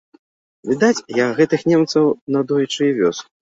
Відаць, я гэтых немцаў надоечы і вёз.